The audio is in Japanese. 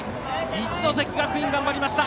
一関学院、頑張りました。